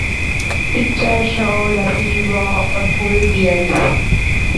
Pictures show that he wore a full beard.